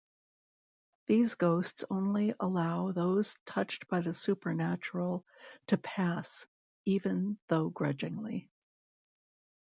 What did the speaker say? These ghosts only allow those touched by the supernatural to pass, even though grudgingly.